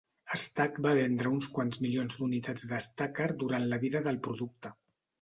Stac va vendre uns quants milions d'unitats d'Stacker durant la vida del producte.